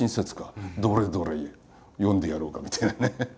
どれどれ読んでやろうか」みたいなね。